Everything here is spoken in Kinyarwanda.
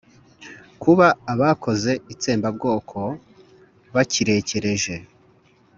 kuba abakoze itsembabwoko bakirekereje